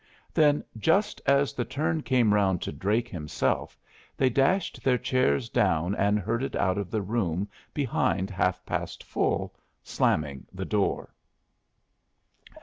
Then, just as the turn came round to Drake himself, they dashed their chairs down and herded out of the room behind Half past Full, slamming the door.